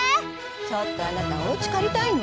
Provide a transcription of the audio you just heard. ちょっとあなたおうちかりたいの？